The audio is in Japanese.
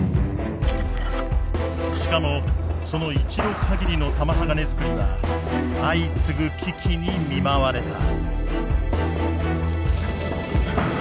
しかもその１度かぎりの玉鋼づくりは相次ぐ危機に見舞われた。